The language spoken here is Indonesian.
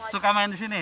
suka main di sini